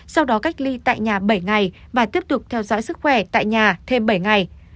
sau đó cách ly tại nhà bảy ngày và tiếp tục theo dõi sức khỏe tại nhà thêm bảy ngày